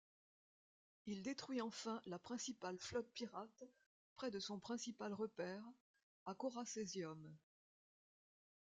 Il détruit enfin la principale flotte pirate près de son principal repaire, à Coracesium.